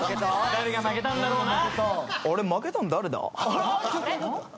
誰が負けたんだろうな？